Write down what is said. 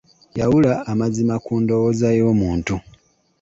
Yawula amazima ku ndowooza y'omuntu.